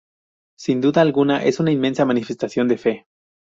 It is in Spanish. Sin duda alguna es una inmensa manifestación de fe.